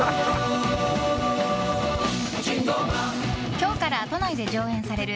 今日から都内で上演される